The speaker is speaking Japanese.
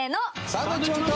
サンドウィッチマンと。